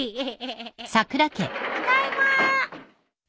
ただいま！